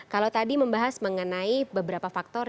kalau tadi membahas mengenai beberapa faktor